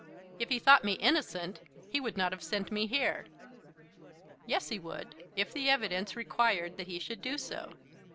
"If he thought me innocent he would not have sent me here." "Yes, he would; if the evidence required that he should do so."